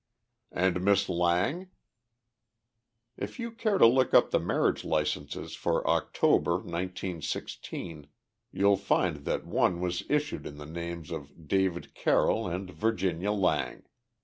"And Miss Lang?" "If you care to look up the marriage licenses for October, nineteen sixteen, you'll find that one was issued in the names of David Carroll and Virginia Lang.